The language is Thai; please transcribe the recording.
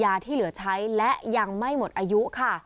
ที่เหลือใช้และยังไม่หมดอายุค่ะ